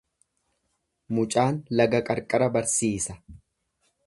Mucaan laga qarqara barsiisa.